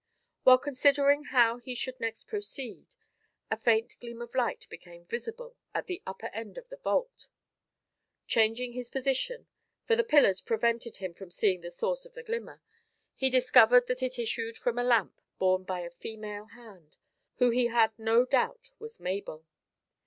While considering how he should next proceed, a faint gleam of light became visible at the upper end of the vault. Changing his position, for the pillars prevented him from seeing the source of the glimmer, he discovered that it issued from a lamp borne by a female hand, who he had no doubt was Mabel.